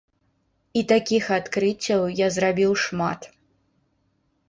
І такіх адкрыццяў я зрабіў шмат.